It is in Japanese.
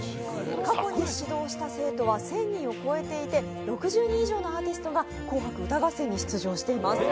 過去に指導した生徒は１０００人を超えていて６０人以上が「紅白歌合戦」に出場をしています。